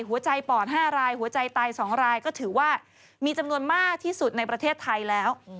ปอด๕รายหัวใจไต๒รายก็ถือว่ามีจำนวนมากที่สุดในประเทศไทยแล้ว